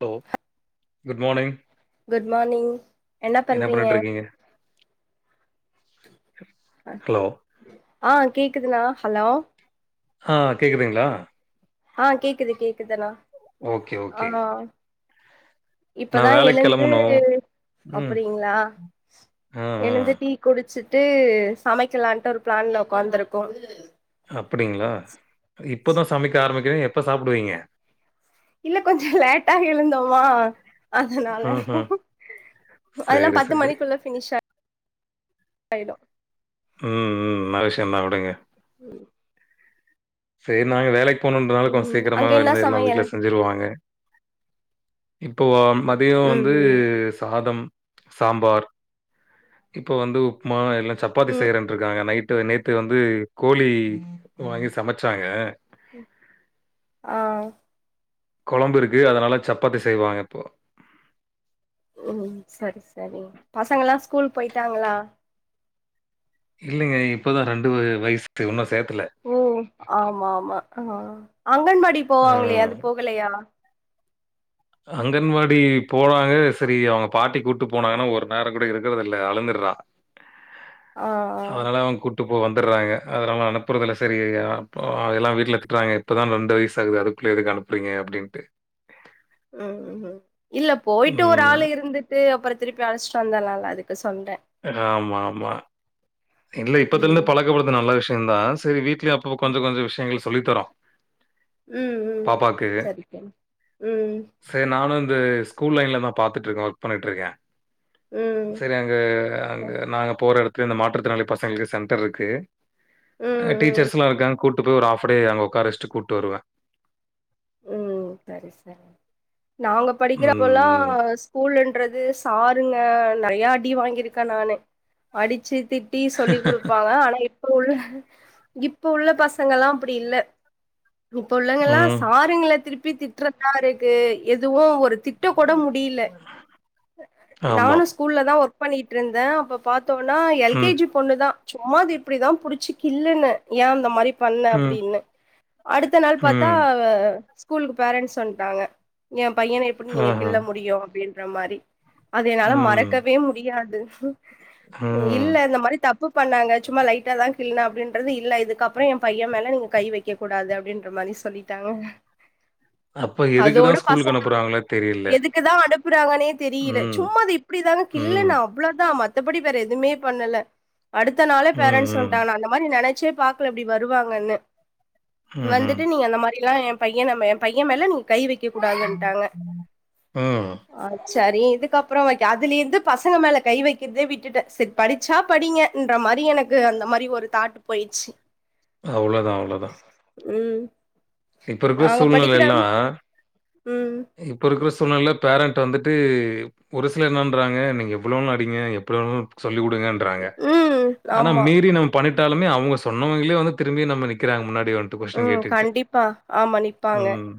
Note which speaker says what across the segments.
Speaker 1: Hello good morning
Speaker 2: good morning என்ன பண்றீங்க
Speaker 1: பண்ணிட்டு இருக்கீங்க? ஹலோ
Speaker 2: ஆ கேக்குதுண்ணா ஹலோ
Speaker 1: ஆ கேட்குதுங்களா
Speaker 2: ஆ கேக்குது கேக்குதண்ணா
Speaker 1: ஓகே ஓகே
Speaker 2: இப்பதா
Speaker 1: நான் வேலைக்கு
Speaker 2: எழுந்து
Speaker 1: கெளம்பணும். ம்.
Speaker 2: அப்பிடிங்களா
Speaker 1: ஆ, ஆ.
Speaker 2: எழுந்து டீ குடிச்சிட்டு சமைக்கலான்ட்டு ஒரு பிளான்ல உக்காந்துருக்கோ
Speaker 1: அப்புடிங்களா இப்போதா சமைக்க ஆரம்பிக்கிறிங்க எப்போ சாப்பிடுவீங்க
Speaker 2: இல்ல கொஞ்சோ லேட்டா எழுந்தோமா அதனால
Speaker 1: ம்ஹ்ம்.
Speaker 2: அதெல்லா
Speaker 1: சரி,
Speaker 2: பத்து
Speaker 1: சரி.
Speaker 2: மணிக்குள்ள ஃபினிஷ் ஆயிடு
Speaker 1: ம் ம் நல்ல விஷியோன்தா விடுங்க
Speaker 2: ம்
Speaker 1: சேரி நாங்க வேலைக்கி போணுன்றதுனால கொஞ்சோ
Speaker 2: ம்
Speaker 1: சீக்கிரமா
Speaker 2: அங்க என்ன
Speaker 1: விழுந்து எல்லா வீட்ல
Speaker 2: சமையல்
Speaker 1: செஞ்சிருவாங்க இப்போவா மதியோ
Speaker 2: ம்
Speaker 1: வந்து
Speaker 2: ம்
Speaker 1: சாதம் சாம்பார் இப்போ வந்து உப்புமா இல்லானா சப்பாத்தி
Speaker 2: ம்
Speaker 1: செய்றன்ட்ருக்காங்க நைட் ட்டு நேத்து வந்து கோழி வாங்கி சமைச்சாங்க
Speaker 2: ம் ஆ
Speaker 1: கொழம்பு இருக்கு அதனால சப்பாத்தி செய்வாங்க இப்போ
Speaker 2: ஓ செரி செரி பசங்கல்ல ஸ்கூல் போயிட்டாங்களா
Speaker 1: இல்லைங்க இப்போதா ரெண்டு வயசு இன்னு சேத்துல
Speaker 2: ஓ ஆமா ஆமா ஆ அங்கன்வாடி
Speaker 1: அ
Speaker 2: போவாங்களயே அது போகலையா
Speaker 1: அங்கன்வாடி போனாங்க செரி அவுங்க பாட்டி கூட்டு போனாங்கன்னா ஒரு நேரோ கூட இருக்கறதுல்ல அழுதுட்றா
Speaker 2: ஆ ஆ
Speaker 1: அதனால அவுங்க கூட் ட்டு போக வந்துட்றாங்க அதனால அனுப்புறதுல்ல செரி அப்புறோ எல்லா வீட்ல திட்டுறாங்க இப்போதா ரெண்டு வயசாகுது அதுக்குள்ளே எதுக்கு அனுப் அப்புட்றிங்க அப்டின்ட்டு
Speaker 2: ம் ம் இல்ல போயிட்டு ஒரு ஆள்
Speaker 1: ம்.
Speaker 2: இருந் ட்டு அப்புறோ திருப்பி அழைச்சிட்டு வந்தர்லால்ல அதுக்கு சொல்றே
Speaker 1: ஆமாமா இல்ல இப்பத்துலருந்து
Speaker 2: ம்
Speaker 1: பழக்கப்படுதுறது நல்ல விஷ்யோ தா செரி வீட்லயு அப்போ கொஞ்ச கொஞ்சோ விஷ்யங்கள் சொல்லித்தறோ
Speaker 2: ம் ம் சரிக்க ம்
Speaker 1: சரி நானு இந்த ஸ்கூல் லைன்ல தா பாத்துட்டு இருக்க ஒர்க் பண்ணிட்டுருக்க
Speaker 2: ம்
Speaker 1: செரி அங்க அங்க நாங்க போற எடத்துல இந்த மாற்றுத்திறனாளி பசங்களுக்கு சென்டர் இருக்கு
Speaker 2: ம்
Speaker 1: அ
Speaker 2: ம்
Speaker 1: டீச்சர்ஸ்ல்லா இருக்காங்க கூட்டிட்டு போய் ஒரு ஆஃப் டே அங்க உக்கார வெச்சி கூட்டு வருவே
Speaker 2: ம் செரி செரி நாங்க படிக்கிறப்பல்லா
Speaker 1: ம்.
Speaker 2: ஸ்கூல்ன்றது சாருங்க நறையா அடி வாங்கியிருக்க நானு அடிச்சு திட் டி சொல்லி் குடுப்பாங்க ஆனா இப்ப உள்ள இப்ப உள்ள பசங்கல்லா அப்படி இல்ல இப்ப உள்ளவங்கல்லா
Speaker 1: ம்.
Speaker 2: பாருங்களே திருப்பி திட்டறதாருக்கு எதுவு ஒரு திட் ட்டக் கூட முடியல
Speaker 1: ஆமா.
Speaker 2: நானு ஸ்கூல்ல தா ஒர்க் பண்ணிட்டுருந்தே அப்போ பாத்தோன்னா எல் கே
Speaker 1: ம்,
Speaker 2: ஜி பொண்ணுதா சும்மா இத இப்படிதா புடிச்சு கில்லுன ஏ அந்த மாரி பண்ண
Speaker 1: ம்,
Speaker 2: அப்டின்னு அடுத்த நாள் பாத்தா
Speaker 1: ம்.
Speaker 2: ப்ப ஸ்கூலுக்கு பேரன்ஸ் வன்ட்டாங்க என் பையன எப்புடி நீங்க
Speaker 1: ஆஹா.
Speaker 2: கிள்ள முடியு அப்டின்ற மாரி அது என்னால
Speaker 1: ம்,
Speaker 2: மறக்கவே முடியாது நீ
Speaker 1: ம்.
Speaker 2: இல்ல இந்த மாரி தப்பு பண்ணாங்க சும்மா லைட்டாதா கில்லுன அப்டின்றது இல்ல இதுக்கப்புறோ என் பையன் மேல நீங்க கை வை க்க கூடாது அப்டின்ற மாரி சொல்லிட்டாங்க
Speaker 1: அப்ப எதுக்கு
Speaker 2: அதோட
Speaker 1: தான் ஸ்கூலுக்கு
Speaker 2: பசங்க
Speaker 1: அனுப்புறாங்களோ தெரியல.
Speaker 2: எதுக்குதா அனுப்புறாங்கனே தெரியில
Speaker 1: ம்,
Speaker 2: சும்மா அது இப் புடி தாங்க
Speaker 1: ம்,
Speaker 2: கில்லுன அவுளோதா மத்தபடி வேற எதுமே பண்ணல அடுத்த நாளே
Speaker 1: ம்,
Speaker 2: பேரன்ஸ்
Speaker 1: ம்,
Speaker 2: வன்ட்டாங்க நா அந்த மாரி நெனச்சே பாக் குல அப்டி வருவாங்கன்னு
Speaker 1: ம்ஹ்ம்.
Speaker 2: வந்துட்டு நீங்க அந்த மாரிலா என் பையனம்ம என் பையன் மேல நீங் கை வைக்க கூடாதுன்ட்டாங்க
Speaker 1: ம்.
Speaker 2: அ சரி இதுக்கப்புறோ வைக்க அதுலிருந்து பசங்க மேல கை வைக்கிற்தே விட்டுட்ட செர் படிச்சா படிங்க இன்ற மாரி எனக்கு அந்த மாரி ஒரு தாட்டு் போய்ச்சு
Speaker 1: அவுளோதா அவுளோதா
Speaker 2: ம்
Speaker 1: இப்ப இருக்குற
Speaker 2: நாங்க படிக்கிற
Speaker 1: சூழ்நெலைலா
Speaker 2: ம்
Speaker 1: இப்ப இருக்குற சூழ்நெல பேரண்ட் வந்துட்டு ஒரு சிலர் என்ன பண்றாங்க நீங்க எவ்வுளோனு அடிங்க எப்டிவேணாலு சொல்லி குடுங்கன் றாங்க
Speaker 2: ம்
Speaker 1: ஆனா
Speaker 2: ஆமா
Speaker 1: மீறி நம் பண்ணிட்டாலுமே அவுங்க சொன்னவங்களே வந்து திரும்பி நம்ம நிக்கிறாங்க முன்னாடி வந்
Speaker 2: ம் கண்டிப்பா ஆமா நி
Speaker 1: ம்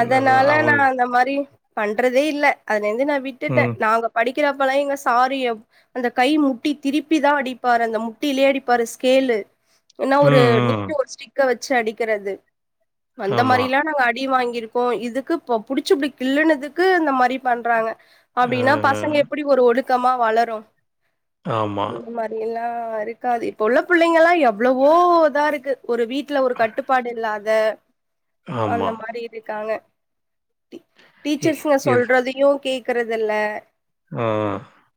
Speaker 1: என்னதான்
Speaker 2: நா
Speaker 1: அவங்க
Speaker 2: அந்த மாரி பண்றதே இல்ல அதுலர்ந்து நா விட்டுட்டே
Speaker 1: ம்,
Speaker 2: நாங்க படிக்கிறப்பலா எங்க‌ சாரு எப் அந்த கை முட்டி திருப்பிதா அடிப்பாரு அந்த முட்டிலே அடிப்பாரு ஸ்கேலு இல்னா ஒரு
Speaker 1: ம், ம்.
Speaker 2: நீட்ட ஒரு ஸ்டிக்க வச்சு அடிக்கிறது அந்த
Speaker 1: ஆமா.
Speaker 2: மாரிலா நாங்க அ டி வாங்கிருக்கோ இதுக்கு இப்போ புடிச்சு‌ இப்டி கில்லுனதுக்கு இந்த மாரி பண்றாங்க அப்டினா
Speaker 1: அஹ.
Speaker 2: பசங்க எப்டி ஒரு ஒழுக்கமா வளரு
Speaker 1: ஆமா
Speaker 2: பில்லா இருக்காது இப்ப உள்ள புள்ளைங்கலா எ வ்ளவோ இதா இருக்கு ஒரு வீட்ல ஒரு கட்டுப்பாடு இல்லாத
Speaker 1: ஆமா.
Speaker 2: அந்த மா ரி இருக்காங்க
Speaker 1: எ
Speaker 2: டீச்சர்ஸ்ங்க
Speaker 1: எது
Speaker 2: சொல்றதையு கேக்குறதுல்ல
Speaker 1: ஆ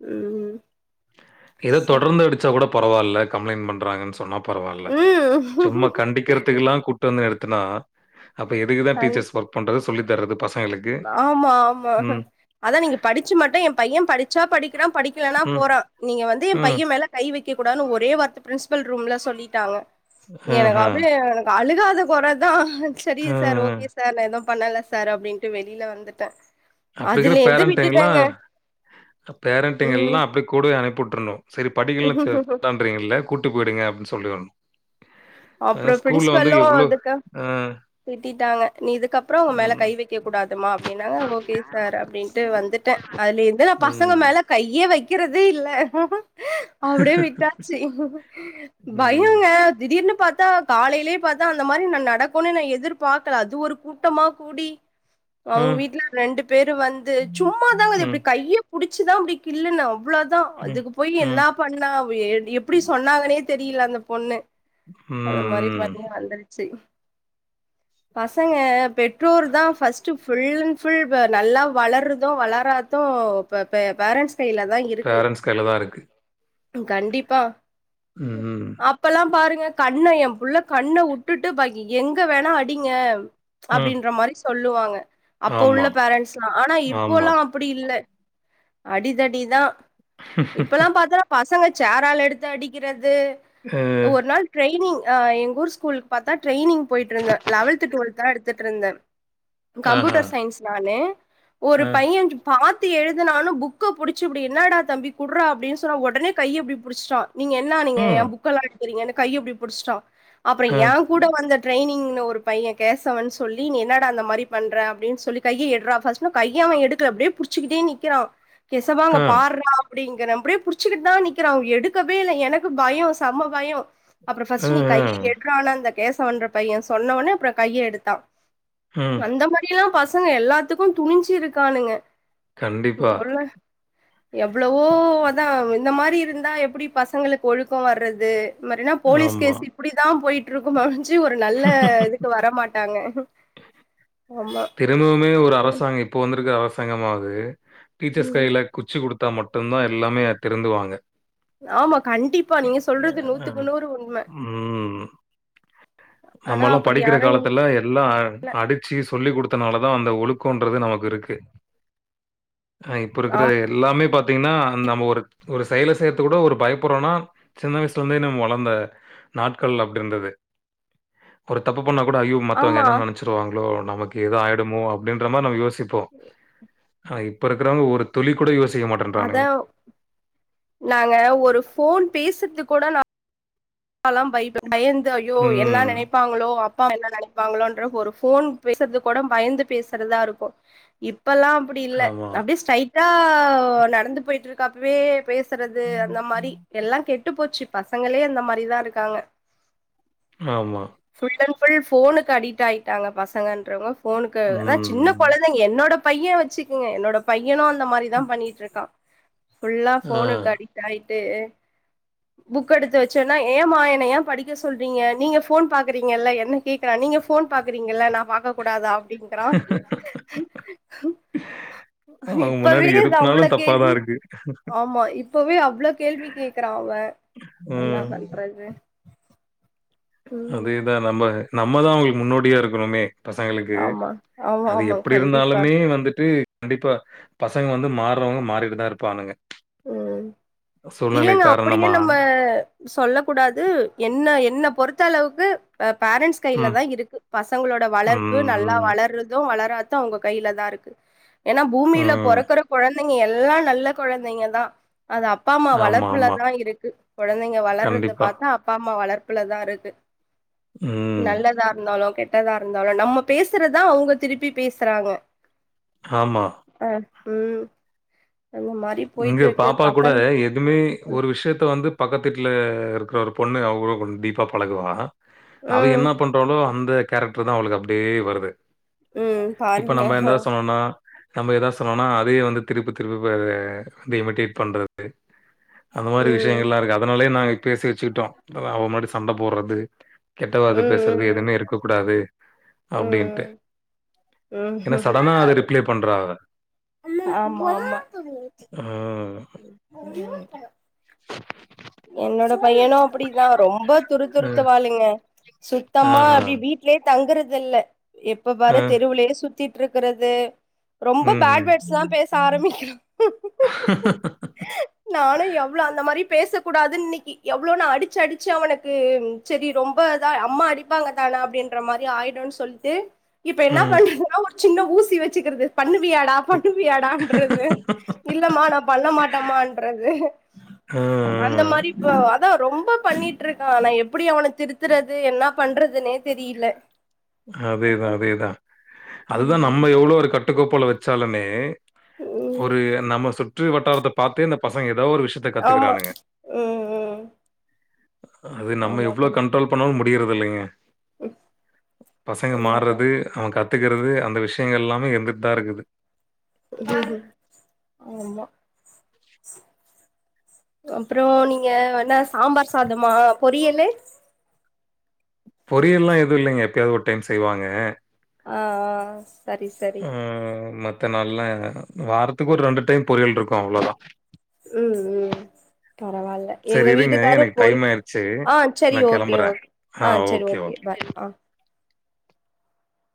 Speaker 2: ம்
Speaker 1: எதோ
Speaker 2: ச
Speaker 1: தொடர்ந்து அடிச்சா கூட பரவால்ல கம்ப்ளைண் பண்றாங்கன் சொன்னா பரவால்ல
Speaker 2: ம்
Speaker 1: சும்மா கண்டிக்கிறதுக்குலா கூட்டு வந்து நிறுத்துனா அப்ப எதுக்குதா
Speaker 2: கண்
Speaker 1: டீச்சர்ஸ் ஒர்க் பண்றது சொல்லி தர்றது பசங்களுக்கு.
Speaker 2: ஆமா ஆமா
Speaker 1: ம்,
Speaker 2: அதா நீங்க படிச்சு மட்டு என் பையன் படிச்சா படிக்குறான் படிக்கிலனா
Speaker 1: ம்,
Speaker 2: போறான் நீங்க வந்து என்
Speaker 1: ம்.
Speaker 2: பையன் மேல கை வைக்க கூடாதுனு ஒரே வார்த்த பிரின்ஸ்பல் ரூம்ல சொல்லிட்டாங்க எனக்கு
Speaker 1: அஹ.
Speaker 2: அப்டியே எனக்கு அழுகாத கொறதா சரிங்க
Speaker 1: அ.
Speaker 2: சார் ஓகே சார் நான் எது பண்ணல சார் அப்டின்ட்டு வெளில வந்துட்ட
Speaker 1: அப்டிங்கிற பேரன்ட்ங்குலா அ பேரன்ட்ங்க எல்லா
Speaker 2: ம்
Speaker 1: அப்டி கூடவே அனுப்வுட்ருணு செரி படிக்குல சரிதான்றீங்கள்ல கூட்டு போய்டுங்க அப்டின் சொல்லிறணு
Speaker 2: அப்றோ பிரின்ஸ்பல்லு அதுக்கு
Speaker 1: ஆ,
Speaker 2: திட்டிட்டாங்க நீ இதுக்கப்றோ அவ்ங்க மேல கை
Speaker 1: ம்,
Speaker 2: வை க்க கூடாதுமா அப்டின்னாங்க ஓகே சார் அப்டின்ட்டு வந்துட்ட அதுல இருந்து நான் பசங்க
Speaker 1: ம்,
Speaker 2: மேல கையே வைக்கிறதே இல்ல அப்டியே விட்டாச்சு
Speaker 1: ம்,
Speaker 2: பயோங்க திடீர்னு பாத்தா காலைலே பாத்தா அந்த மாரி ந நடக்கும் ந எதிர்பாக்கல அது ஒரு கூட்டமா கூ கூடி
Speaker 1: ஆ,
Speaker 2: அவுங்க வீட்டுல ரெண்டு பேரும் வந்து சும்மாதாங்க அது
Speaker 1: ம்,
Speaker 2: அப்டி கைய புடிச்சுதான் அப்டி கில்லுனோ அவ்ளத தா
Speaker 1: ம்,
Speaker 2: அதுக்கு போய் என்ன
Speaker 1: ம்,
Speaker 2: பண்ணா எப்டி சொன்னாங்கன்னே தெரியல அந்த பொண்ணு
Speaker 1: ம் ம்
Speaker 2: வந்துரிச்சு பசங்க பெற்றோர் தான் ஃபஸ்ட் ஃபுல் அண்ட் ஃபுல் நல்லா வளரதும் வளராதும் இப் பா‌ பேரன்ட்ஸ் கையில தான் இரு
Speaker 1: பேரண்ஸ் கையில தா இருக்கு
Speaker 2: கண்டிப்பா
Speaker 1: ம்,
Speaker 2: அப்பல்லாம் பாருங்க கண்ண என் புள்ள கண்ண வுட்டுட்டு பாக்கி எங்க வேணா அடிங்க
Speaker 1: ம்.
Speaker 2: அப்டின்ற மாரி சொல்லுவாங்க அப்ப உள்ள
Speaker 1: ஆமா,
Speaker 2: பேரண்ட்ஸ்ல்லாம் ஆனா
Speaker 1: ஆமா.
Speaker 2: இப்போல்லாம் அப்டி இல்லை அடிதடிதான் இப்பல்லாம் பாத்தனா பசங்க சேரால் எடுத்து அடிக்கிறது
Speaker 1: அ,
Speaker 2: ஒரு நாள் ட்ரெய்னிங் எங்கூர் ஸ்கூல் பாத்தா ட்ரெயனிங் போயிட்டு இருந்தேன் லெவன்த் டுவெல்த்தெல்லாம் எடுத்துட்டு இருந்தேன்
Speaker 1: ஆஹா,
Speaker 2: கம்ப்யூட்டர் சயின்ஸ் நானு ஒரு
Speaker 1: அ,
Speaker 2: பையன் பாத்து எழுதுனானு புக்கை பிடிச்சு இப்படி என்னடா தம்பி குடுறா அப்படின்னு சொன்னா உடனே கையப்டி பிடிச்டான் நீங்க என்னா நீங்க
Speaker 1: ம்,
Speaker 2: என் புக்கெல்லாம் எடுக்கறீங்கன்னு கை இப்படி புடிச்சிட்டான் அப்புறம்
Speaker 1: அ,
Speaker 2: என் கூட வந்த ட்ரெய்னிங் ஒரு பையன் கேசவன்ன சொல்லி நீ என்னட அந்த மாதிரி பண்ற அப்டினு சொல்லி கையை ஏட்ரா ஃபஸ்ட் ன்னு கைய அவன் எடுக்கல அப்டியே புடிச்சுக்கிட்டே நிகிறான் கெசவா அங்க
Speaker 1: ஆ,
Speaker 2: பாரா அப்படி இங்க நா புடிச்சுட்டு தான் நிக்கிறா அவன் எடுக்கவே இல்லை எனக்கு பயம் செம்ம பயம் அப்புறம்
Speaker 1: அ, ஆ,
Speaker 2: ஃபர்ஸ்ட் நீ கையை எடுறா னு அந்த கேசவ் பையன் சொன்னவடனே அப்புறம் கையை எடுத்தான்
Speaker 1: ம்.
Speaker 2: அந்த மாரில்லாம் பசங்க எல்லாத்துக்கும் துணிஞ்சி இருக்கானுங்க
Speaker 1: கண்டிப்பா.
Speaker 2: [unintelligible]
Speaker 1: [unintelligible]
Speaker 2: எவ்வளவோ அதான் இந்த மாரி இருந்தா எப்படி பசங்களுக்கு ஒழுக்கம் வர்றது மாரினா போலீஸ்
Speaker 1: ஆமா.
Speaker 2: கேஸ் இப்படிதான் போயிட்டு இருக்கும் ஒரு நல்ல இதுக்கு வர மாட்டாங்க
Speaker 1: திரும்பவுமே ஒரு அரசாங்கம் இப்போ வந்திருக்கிற அரசாங்கமாவது டீச்சர்ஸ்
Speaker 2: ம்
Speaker 1: கையில குச்சி கொடுத்தா மட்டும்தான் எல்லாமே திரிந்துவாங்க
Speaker 2: ஆமா கண்டிப்பா நீங்க சொல்றது
Speaker 1: அ
Speaker 2: நூத்துக்கு நூறு உண்மை ஆனா
Speaker 1: நம்மல்லாம்
Speaker 2: அப்டி
Speaker 1: படிக்கிற
Speaker 2: யாரு
Speaker 1: காலத்துல எல்லா அடிச்சு சொல்லிக் கொடுத்தனால தான் அந்த ஒழுக்கன்றது நமக்கு இருக்கு அஹ் இப்ப இருக்கிற எல்லாமே பாத் தீங்கன்னா நம்ம ஒரு செயலை செய்றதுக்கு கூட ஒரு பயப்பறோம்னா சின்ன வயசுல இருந்தே நம்ம வளந்த நாட்கள் அப்டி இருந்தது ஒரு தப்பு பண்ணா கூட ஐயோ மத்தவங்க
Speaker 2: ஆமா
Speaker 1: என்ன நினைச்சருவாங்களோ நமக்கு எதோ ஆயிடுமோ அப்படின்ற மாதிரி நம்மயோசி இப்போ இப்ப இருக்கிறவங்க ஒரு துளி கூட யோசிக்க மாட்றாங்க
Speaker 2: அத நாங்க ஒரு ஃபோன் பேசுறது கூட நான் பயந்து அயோ எல்லாம்
Speaker 1: ம்.
Speaker 2: நினை பாப்பாங்களோ அப்பா என்ன நினைப்பாங்களோ ன்ற ஒரு ஃபோன் பேசுறது கூட பயந்து பேசுறதா இருக்கும் இப்பெல்லாம் அப்டி இல்ல
Speaker 1: ஆமா,
Speaker 2: அப்படி ஸ்ட்ரைட்டா நடந்து போயிட்டு இருக்கு பேசுறது அந்த மாதிரி எல்லாம் கெட்டு போச்சு பசங்களே அந்த மாதிரிதான் இருக்காங்க
Speaker 1: ஆமாம்
Speaker 2: ஃபுல்ல அன் ஃபுல் ஃபோனுக்கு அடிக்ட் ஆயிட்டாங்க பசங்கன்றவங்க போனுக்கு அத சின்ன
Speaker 1: ம்.
Speaker 2: குழந்தை டிதா என்னோட பைய வச்சுக்குங்க என்னோட பையனு அந்த மாரிதா பண்ணிட்டு இருக்கா ஃபுல்லா போனு கட் ஆயிட்டு புக்க எடுத்து வச்சு சொன்னா ஏமா என்ன ஏ படிக்க சொல்றீங்க நீங்க போன் பாக்குறீஙகள என்ன கேக்குறா நீங்க போன் பாகிறீங்கள நா பாக்கக் கூடாதா அப்டிங்கறா
Speaker 1: ஆ. அவங்க முன்னாடி எது
Speaker 2: இப்பவேது அவ்ளோ
Speaker 1: பண்ணாலும் தப்பாதான்
Speaker 2: கேள்வி
Speaker 1: இருக்கு.
Speaker 2: ஆமா இப்பவே அவ்ள கேள்வி கேக்குறா அவ என்னா
Speaker 1: ம்.
Speaker 2: பண்றது ம்
Speaker 1: அதேதா நம்ம நம்ம தா அவுங்களுக்கு முன்னோடியா இருக்கணுமே பசங்களுக்கு
Speaker 2: ஆமா ஆமா
Speaker 1: அது
Speaker 2: ஆமா
Speaker 1: எப்டி
Speaker 2: கண்டிப்பா
Speaker 1: இருந்தாலுமே வந்துட்டு கண்டிப்பா பசங்க வந்து மாறவங்க மாறிடுதா இருபாங்க
Speaker 2: ம் இல்லங்க அப்டியு
Speaker 1: காரணமா.
Speaker 2: நம்ம சொல்ல கூடாது என்ன என்ன பொறுத்த அளவுக்கு பேரண்ட்ஸ் கையில
Speaker 1: ம்.
Speaker 2: தா இருக்கு பசங்களோட வளர்ப்பு
Speaker 1: ம்.
Speaker 2: நல்லா
Speaker 1: ம்.
Speaker 2: வளர்ரது வளராது து அவ்ங்க கையில தா இருக்கு ஏன்னா பூமியில
Speaker 1: ம்.
Speaker 2: பொறக்கற குழந்தைங்க எல்லா நல்ல குழந்தைங்க க தா அது அப்பா அம்மா
Speaker 1: ஆமா,
Speaker 2: வளர்ப்புல
Speaker 1: ஆமா.
Speaker 2: தா இருக்கு கொழந்தைங்க வளர்றத
Speaker 1: கண்டிப்பா.
Speaker 2: பாத்தா அப்பா அம்மா வளர்ப்புலதா இருக்கு
Speaker 1: ம்.
Speaker 2: நல்லதா இருந்தாலு கெட் ட்டதா இருந்தாலோ நம்ம பேசுறதா அவங்க திருப்பி பேசறாங்கோ
Speaker 1: ஆமா
Speaker 2: ஆ ம் அந்த மாரி போயிட்டு
Speaker 1: இங்க
Speaker 2: இருக்கு.
Speaker 1: பாப்பாக் கூட
Speaker 2: பசங்க
Speaker 1: எதுமே ஒரு விஷயத்த வந்து பக்கத்திட்டல இருக்கிற ஒரு பொண்ணு அவளோ கொஞ்சோ டீப்பா பழகுவா அவ
Speaker 2: ம்.
Speaker 1: என்ன பண்றாளோ அந்த கேரக்டர் தா அவளுக்கு அப்டியே வருது
Speaker 2: ம்.
Speaker 1: இப்ப
Speaker 2: பாருங்க.
Speaker 1: நம்ம எந்தாவ்து சொன்னோனா நம்ம ஏதா சொன்னோனா அதே வந்து திருப்பி திருப்பி வந்து இமிடேட் பண்றது அந்த மாரி
Speaker 2: ம்.
Speaker 1: விஷயங்கள்ல்லா இருக்கு அதனாலயே நாங்க பேசி வச்சிக்கிட்டோ அவ முன்னாடி சண்ட போட்றது கெட்டவாத
Speaker 2: ம்.
Speaker 1: பேசுறது
Speaker 2: ம்.
Speaker 1: எதுவுமே இருக்க கூடாது அப்டின்ட்டு
Speaker 2: ம்
Speaker 1: ஏன்னா
Speaker 2: ம்
Speaker 1: சடனா அத ரிப்ளே பண்றா அவ
Speaker 2: ஆமா ஆமா
Speaker 1: ஆ
Speaker 2: இவுன் பனோ என்னோட பையனோ அப்டிதா ரொம்ப துரு
Speaker 1: அ.
Speaker 2: துருத்த வாளுங்க சுத்தமா
Speaker 1: ஆஹா.
Speaker 2: அப்டி வீ ட்லயே தங்குறது இல்ல எப்ப
Speaker 1: அ.
Speaker 2: பாரு தெருவுலயே சுத்திட்டு இருக்குறது ரொம்ப பேட்
Speaker 1: ம்ஹ்ம்.
Speaker 2: வேட்ஸ்ல்லா பேச ஆரம்பிக்கறா நானோ எவ்வளோ அந்த மாரி பேச கூடாது ன்னிக்கி எவ்ளோ நா அடிச்சி அடிச்சி அவனுக்கு செரி ரொம்ப இதா அம்மா அடி ப்பாங்க தானா அப்டின்ற மாரி ஆயிடுன் சொல்ட்டு இப்ப என்னா
Speaker 1: ம்.
Speaker 2: பண்றதுன்னா ஒரு சின்ன ஊசி வச்சிக்கிற்து பண்ணுவியாடா
Speaker 1: உ
Speaker 2: பண்ணவியாடான்றது இல்லமா நா பண்ண மாட்டம்மா இன்றது
Speaker 1: ஆ
Speaker 2: அந்த மாரி ப்போ அதா ரொம்ப பண்ணிட்டு இருக்கா ஆனா எப்டி அவன திருத்துறது என்ன பண்றதுன்னே தெரியில
Speaker 1: அதே தா அதே தா அதுதா நம்ம எவ்ளோ ஒரு கட்டுக்கோப்பல வச்சாலுமே
Speaker 2: ம்
Speaker 1: ஒரு நம்ம சுற்று வட்டாரத்த பாத்தே இந்த பசங்க ஏதாவ்து ஒரு விஷ் ஷ்த்த
Speaker 2: ஆமா
Speaker 1: கத்துக்கிறானுங்க
Speaker 2: ம் ம்
Speaker 1: அது நம்ம
Speaker 2: ஆமா
Speaker 1: எவ்ளோ
Speaker 2: கண்
Speaker 1: கண்ட்ரோல் பண்ணாலு முடியிறது இல்லைங்க பசங்க மார்றது அவன் கத்துக்கறது அந்த விஷ்யோ எல்லாமே இருந்துட் தா இருக்குது
Speaker 2: ஆமா அப்றோ நீங்க என்ன சாம்பார் சாதமா பொரியலு
Speaker 1: பொரியல்லா எது இல்லைங்க எப்யாவது ஒரு டைம் செய்வாங்க
Speaker 2: ஆ ஆ செரி செரி
Speaker 1: அ மத்த நால்லா வாரத்துக்கு ஒரு ரெண்டு டைம் பொரியல் இருக்கு அவ்ளோ தா
Speaker 2: ம் ம் பரவாயில்ல எங்க
Speaker 1: சரி இருங்க,
Speaker 2: வீட்டுக்காரு
Speaker 1: எனக்கு
Speaker 2: பொ
Speaker 1: டைம் ஆயிருச்சு.
Speaker 2: ஆ செரி ஓகே ஓகே ஆ செரி ஓகே பாய் ஆ